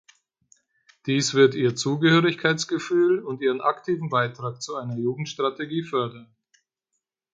Dies wird ihr Zugehörigkeitsgefühl und ihren aktiven Beitrag zu einer Jugendstrategie fördern.